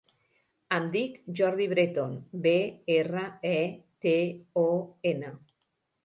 Em dic Jordi Breton: be, erra, e, te, o, ena.